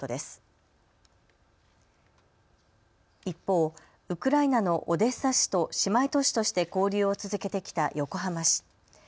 一方、ウクライナのオデッサ市と姉妹都市として交流を続けてきた横浜市。